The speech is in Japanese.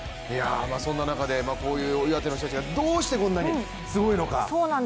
そんな中で岩手の人たちがどうしてこんなにすごいのか。